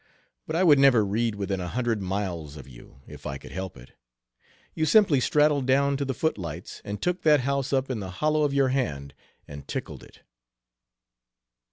but I would never read within a hundred miles of you, if I could help it. You simply straddled down to the footlights and took that house up in the hollow of your hand and tickled it."